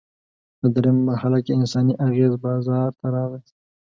په درېیمه مرحله کې انساني اغېز بازار ته راغی.